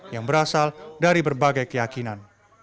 yang berasal dari berbagai keyakinan